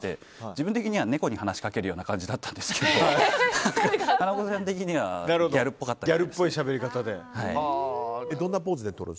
自分的には猫に話しかけるような感じだったんですけど夏菜子ちゃん的にはギャルっぽかったみたいで。